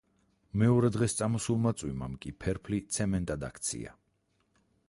მეორე დღეს წამოსულმა წვიმამ კი ფერფლი ცემენტად აქცია.